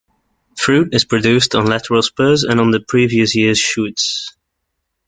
Fruit is produced on lateral spurs and on the previous year's shoots.